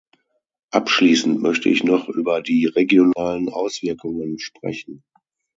Abschließend möchte ich noch über die regionalen Auswirkungen sprechen.